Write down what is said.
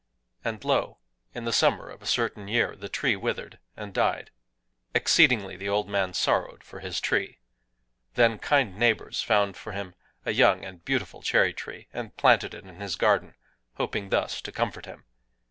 And lo! in the summer of a certain year, the tree withered and died! Exceedingly the old man sorrowed for his tree. Then kind neighbors found for him a young and beautiful cherry tree, and planted it in his garden,—hoping thus to comfort him.